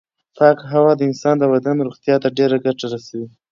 پاکه هوا د انسان د بدن روغتیا ته ډېره ګټه رسوي.